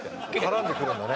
絡んでくるんだね